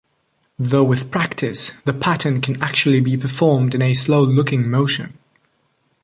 Though with practice, the pattern can actually be performed in a slow-looking motion.